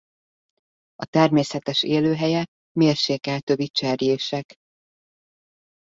A természetes élőhelye mérsékelt övi cserjések.